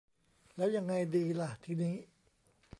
แล้วยังไงดีล่ะทีนี้